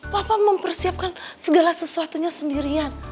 papa mempersiapkan segala sesuatunya sendirian